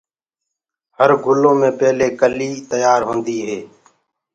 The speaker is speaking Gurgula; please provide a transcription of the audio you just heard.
هر گُلو مي پيلي ڪِلي تيآر هوندي هي۔